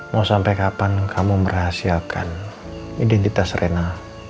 mau sampai kapan kamu merahasiakan identitas rena